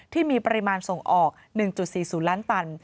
ที่มีปริมาณส่งออก๑๔๐ล้านตัน